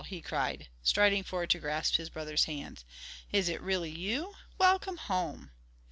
he cried, striding forward to grasp his brother's hand. "Is it really you? Welcome home!"